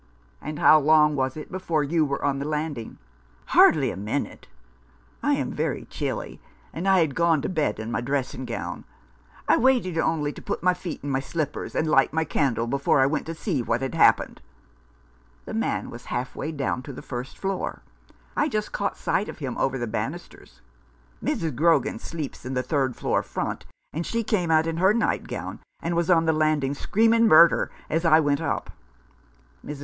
"And how long was it before you were on the landing ?"" Hardly a minute. I am very chilly, and I had gone to bed in my dressing gown. I waited only to put my feet in my slippers and light my candle, before I went to see what had happened. The man was halfway down to the first floor. I just caught sight of him over the banisters. Mrs. Grogan sleeps in the third floor front, and she came out in her nightgown, and was on the land ing screaming murder as I went up. Mrs.